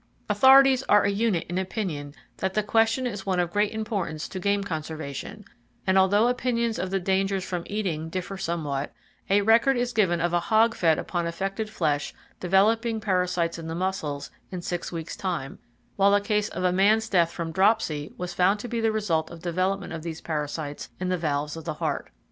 Authorities are a unit in opinion that the question is one of great importance to game conservation, and although opinions of the dangers from eating differ somewhat, a record is given of a hog fed upon affected flesh developing parasites in the muscles in six weeks' time, while a case of a man's death from dropsy was found to be the result of development of these parasites in the valves of the heart.